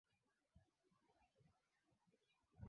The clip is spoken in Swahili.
naam habari yako njema tu nurdin mambo